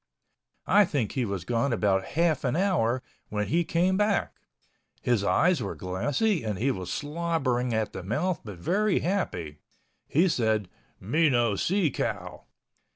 I think he was gone about half an hour when he came back. His eyes were glassy and he was slobbering at the mouth but very happy. He said. "Me no see cow."